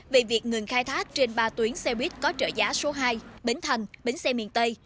về việc ngừng khai thác trên ba tuyến xe buýt có trợ giá số hai bến thành bến xe miền tây